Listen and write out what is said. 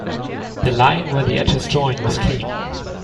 The line where the edges join was clean.